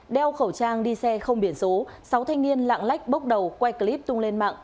đeo khẩu trang đi xe không biển số sáu thanh niên lạng lách bốc đầu quay clip tung lên mạng